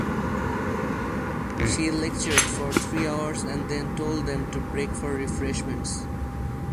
She lectured for three hours and then told them to break for refreshments.